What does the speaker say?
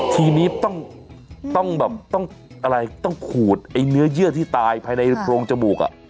ทีนี้ต้องแบบต้องอะไรต้องขูดไอ้เนื้อเยื่อที่ตายภายในโรงจมูก